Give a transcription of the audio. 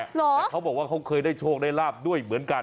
แต่เขาบอกว่าเขาเคยได้โชคได้ลาบด้วยเหมือนกัน